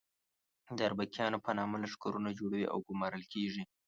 د اربکیانو په نامه لښکرونه جوړوي او ګومارل کېږي.